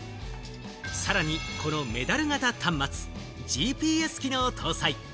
さらにこのメダル型端末、ＧＰＳ機能を搭載。